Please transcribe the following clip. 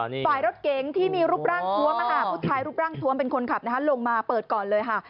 ฝ่ายรถเก๋งที่มีรูปร่างทวมผู้ชายรูปร่างทวมเป็นคนขับลงมาเปิดก่อนเลยค่ะ